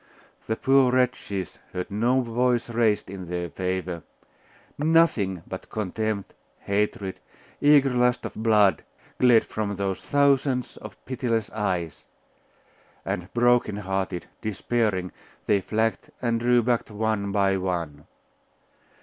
The poor wretches heard no voice raised in their favour: nothing but contempt, hatred, eager lust of blood, glared from those thousands of pitiless eyes; and, broken hearted, despairing, they flagged and drew back one by one.